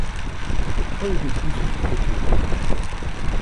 Un ou deux coups suffisent à tuer.